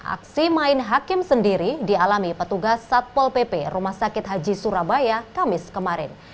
aksi main hakim sendiri dialami petugas satpol pp rumah sakit haji surabaya kamis kemarin